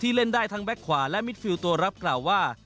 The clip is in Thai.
เล่นได้ทั้งแก๊กขวาและมิดฟิลตัวรับกล่าวว่า